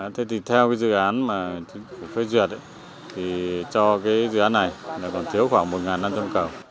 thế thì theo dự án của phê duyệt cho dự án này còn thiếu khoảng một năm trăm linh cầu